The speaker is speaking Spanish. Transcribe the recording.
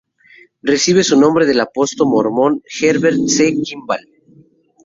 Recibe su nombre del apóstol mormón Heber C. Kimball.